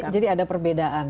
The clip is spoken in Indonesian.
jadi ada perbedaan